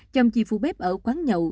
chồng chị phụ bếp ở quán nhậu